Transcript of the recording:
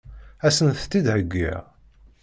Ad sent-tt-id-heggiɣ?